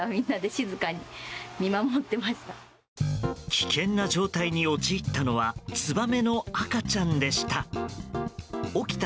危険な状態に陥ったのはツバメの赤ちゃんでした。